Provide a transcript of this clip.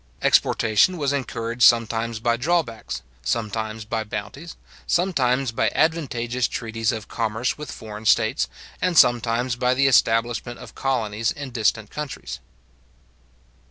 Exportation was encouraged sometimes by drawbacks, sometimes by bounties, sometimes by advantageous treaties of commerce with foreign states, and sometimes by the establishment of colonies in distant countries.